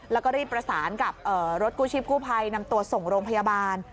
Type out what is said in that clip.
แล้วก็รีบประสานกับรถกู้ชีพกู้ภัยนำตัวส่งโรงพยาบาล